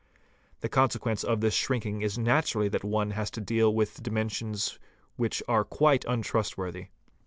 The consequence of this shrinking is naturally that one has to deal with dimensions which are quite untrustworthy.